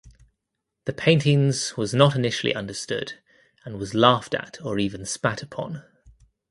The paintings was initially not understood and was laughed at or even spat upon.